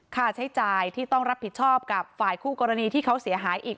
ค่าใช้จ่ายที่ต้องรับผิดชอบกับฝ่ายคู่กรณีที่เขาเสียหายอีก